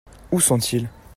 Où sont-ils ?